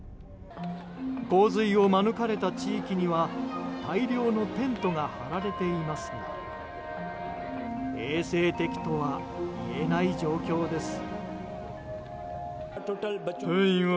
洪水を免れた地域には大量のテントが張られていますが衛生的とは言えない状況です。